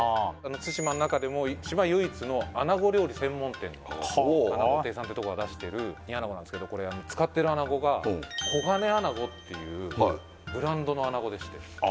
対馬の中でも島唯一の穴子料理専門店あなご亭さんってところが出している煮穴子なんですけどこれ使ってる穴子が黄金あなごっていうブランドの穴子でしてああ